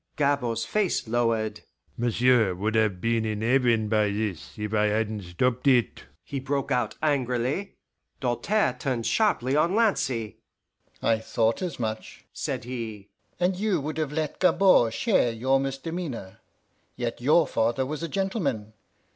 Gabord's face lowered. "M'sieu' would have been in heaven by this if I had'nt stopped it," he broke out angrily. Doltaire turned sharply on Lancy. "I thought as much," said he, "and you would have let Gabord share your misdemeanor. Yet your father was a gentleman!